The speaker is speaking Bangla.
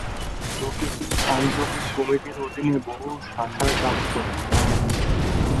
প্রতিটি আঞ্চলিক কমিটির অধীনে বহু শাখা কাজ করে।